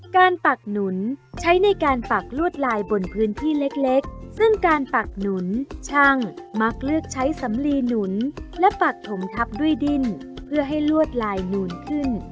ปักหนุนใช้ในการปักลวดลายบนพื้นที่เล็กซึ่งการปักหนุนช่างมักเลือกใช้สำลีหนุนและปักถมทับด้วยดิ้นเพื่อให้ลวดลายนูนขึ้น